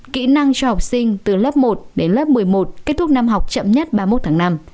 kỹ năng cho học sinh từ lớp một đến lớp một mươi một kết thúc năm học chậm nhất ba mươi một tháng năm